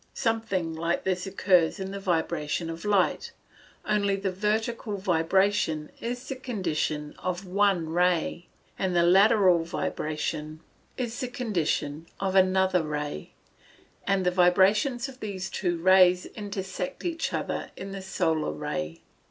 Something like this occurs in the vibrations of light, only the vertical vibration is the condition of one ray, and the lateral vibration is the condition of another ray, and the vibrations of these two rays intersect each other in the solar ray.